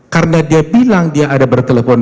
karena dia bilang dia ada bertelepon